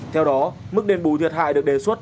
theo đó mức đền bù thiệt hại được đề xuất